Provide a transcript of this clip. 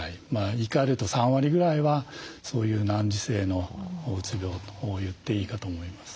言いかえると３割ぐらいはそういう難治性のうつ病と言っていいかと思います。